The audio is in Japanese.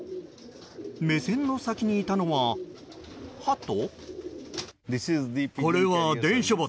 目線の先にいたのはハト？